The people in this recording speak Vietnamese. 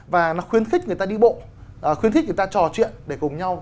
và nó khuyến khích người ta đi bộ khuyến khích người ta trò chuyện để cùng nhau